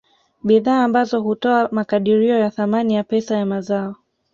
Bidhaa ambazo hutoa makadirio ya thamani ya pesa ya mazao